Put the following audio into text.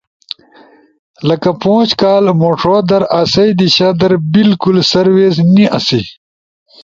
لکہ پوش کال موݜو در اسئی دیشا در بالکل سروس نی آسی۔